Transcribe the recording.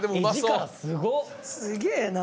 すげえな！